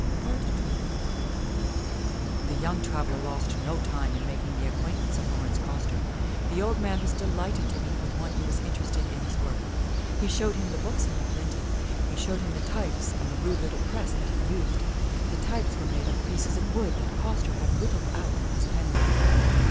II The young traveler lost no time in making the acquaintance of Laurence Coster. The old man was delighted to meet with one who was interested in his work. He showed him the books he had printed. He showed him the types and the rude little press that he used. The types were made of pieces of wood that Coster had whittled out with his penknife.